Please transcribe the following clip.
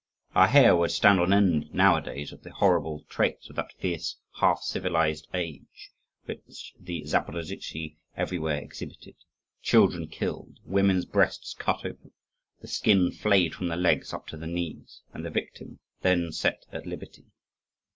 Our hair would stand on end nowadays at the horrible traits of that fierce, half civilised age, which the Zaporozhtzi everywhere exhibited: children killed, women's breasts cut open, the skin flayed from the legs up to the knees, and the victim then set at liberty.